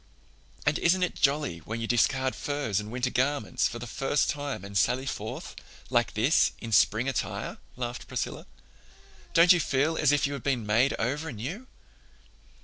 "And isn't it jolly when you discard furs and winter garments for the first time and sally forth, like this, in spring attire?" laughed Priscilla. "Don't you feel as if you had been made over new?"